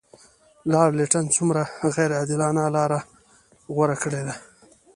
لارډ لیټن څومره غیر عادلانه لار غوره کړې ده.